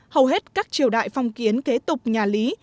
hầu hết các triều đại phong kiến kế tục nhà lý